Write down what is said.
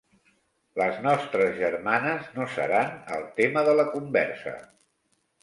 Les nostres germanes no seran el tema de la conversa.